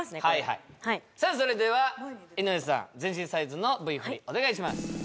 はいそれでは井上さん全身サイズのＶフリお願いします